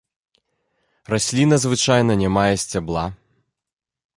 Расліна звычайна не мае сцябла.